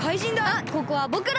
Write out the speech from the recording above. あっここはぼくらが！